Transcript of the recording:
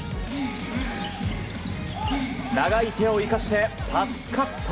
長い手を生かしてパスカット。